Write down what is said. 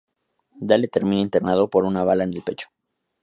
Dale termina internado por una bala en el pecho.